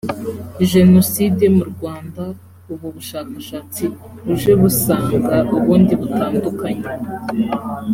jenoside mu rwanda ubvu bushakashatsi buje busanga ubundi butandukanye